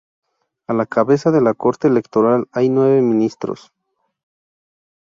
A la cabeza de la Corte Electoral hay nueve Ministros.